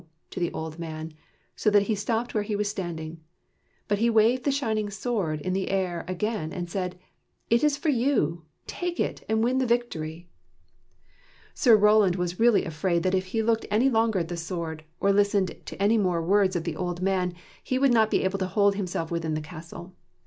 " to the old man, so that he stopped where he was standing. But he waved the shining sword in the air again, and said: " It is for you! Take it, and win the victory! " Sir Roland was really afraid that if he looked any longer at the sword, or listened to any more words of the 9 THE KNIGHTS OF THE SILVER SHIELD old man, he would not be able to hold himself within the castle.